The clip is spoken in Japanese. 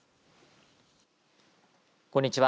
こんにちは。